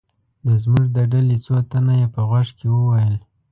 د زموږ د ډلې څو تنه یې په غوږ کې و ویل.